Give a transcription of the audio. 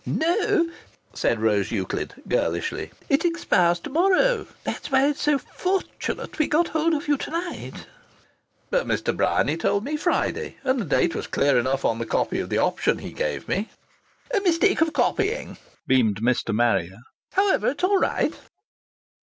"No," said Rose Euclid, girlishly. "It expires to morrow. That's why it's so fortunate we got hold of you to night." "But Mr. Bryany told me Friday. And the date was clear enough on the copy of the option he gave me." "A mistake of copying," beamed Mr. Marrier. "However, it's all right."